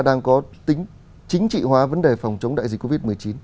đang có tính chính trị hóa vấn đề phòng chống đại dịch covid một mươi chín